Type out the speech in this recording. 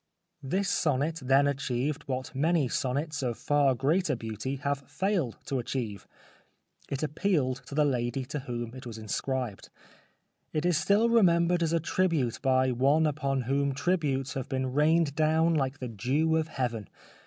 This sonnet then achieved what many sonnets of far greater beauty have failed to achieve. It appealed to the lady to whom it was inscribed. It is still remembered as a tribute by one upon whom tributes have been rained down like the dew of heaven.